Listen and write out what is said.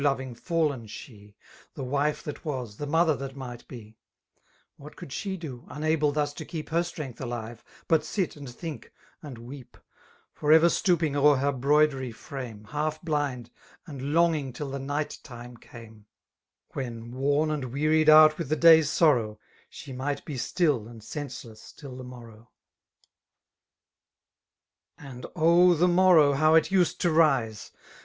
Ioving, faHen she> The wife that was^ the mother that mi^t be^ » What could she doj unable thus to keep Her strength alive> but sit» and think> and weep> For ever stooping o'er her broidery &iime^ Half blindj and longing till the night time came^ m When warn sad weatied cmft wtth Ae^da^s aomiir^ She might be «tfll and senseless tfll ^ morww* •' I .... And oh^ the morrow^ hoi¥ it used to rise!